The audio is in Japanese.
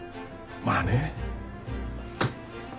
まあね。